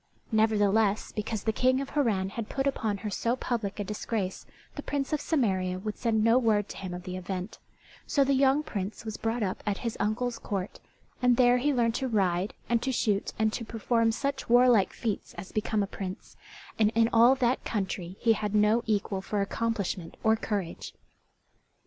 Nevertheless, because the King of Harran had put upon her so public a disgrace, the Prince of Samaria would send no word to him of the event; so the young Prince was brought up at his uncle's court, and there he learned to ride and to shoot and to perform such warlike feats as become a prince, and in all that country he had no equal for accomplishment or courage.